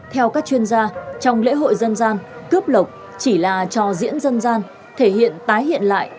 theo các chuyên gia trong lễ hội dân gian cướp lộc chỉ là trò diễn dân gian thể hiện tái hiện lại